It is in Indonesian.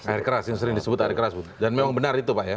air keras yang sering disebut air keras dan memang benar itu pak ya